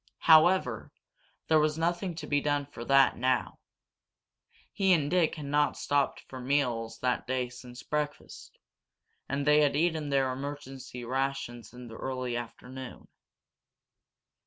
However, there was nothing to be done for that now. He and Dick had not stopped for meals that day since breakfast, and they had eaten their emergency rations in the early afternoon.